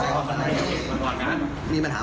มีปัญหามาก่อนอันนี้ใช่ไหม